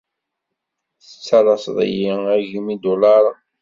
Tettalaseḍ-iyi agim n yidulaṛen.